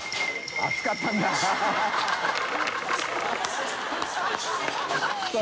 熱かったんだ